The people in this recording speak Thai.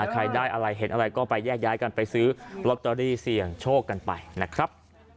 ใครได้อะไรเห็นอะไรก็ไปแยกย้ายกันไปซื้อลอตเตอรี่เสี่ยงโชคกันไปนะครับ